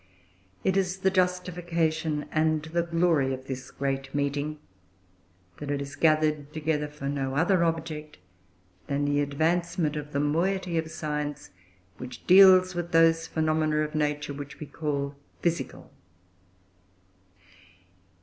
It is the justification and the glory of this great meeting that it is gathered together for no other object than the advancement of the moiety of science which deals with those phenomena of nature which we call physical.